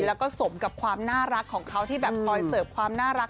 แล้วก็สมกับความน่ารักของเขาที่แบบคอยเสิร์ฟความน่ารัก